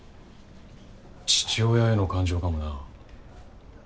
父親への感情かもな。